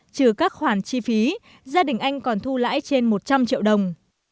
trừ các khoản chi phí gia đình anh còn thu lãi trên một trăm linh triệu đồng